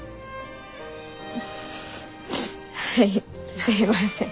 はいすいません。